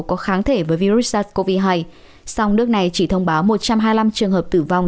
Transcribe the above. có kháng thể với virus sars cov hai song nước này chỉ thông báo một trăm hai mươi năm trường hợp tử vong